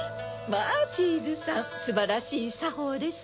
まぁチーズさんすばらしいさほうです。